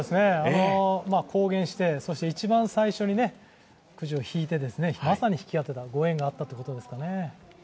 公言して、そして一番最初にくじを引いてまさに引き当てた、ご縁があったということですかね。